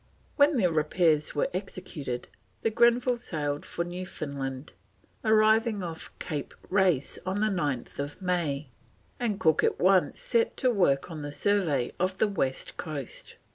When the repairs were executed the Grenville sailed for Newfoundland, arriving off Cape Race on 9th May, and Cook at once set to work on the survey of the west coast.